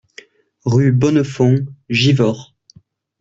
Rue Bonnefond, Givors